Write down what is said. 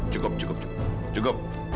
cukup cukup cukup